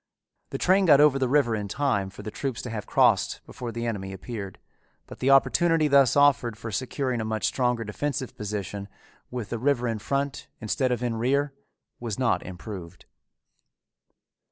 The train got over the river in time for the troops to have crossed before the enemy appeared, but the opportunity thus offered for securing a much stronger defensive position, with the river in front instead of in rear, was not improved.